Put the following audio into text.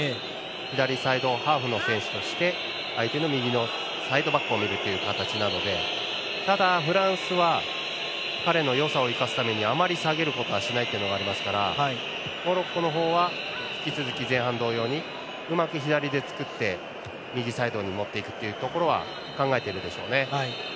左サイドハーフの選手として相手の右のサイドバックを見る形なので、ただフランスは彼のよさを生かすためにあまり下げることはしないというのがありますからモロッコの方は引き続き前半同様にうまく左で作って右サイドに持っていくっていうところは考えているでしょうね。